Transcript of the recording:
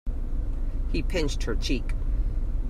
He pinched her cheek.